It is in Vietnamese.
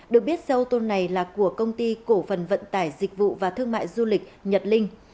được biết xe ô tô này là của công ty cổ phần vận tải dịch vụ và thương mại du lịch nhật linh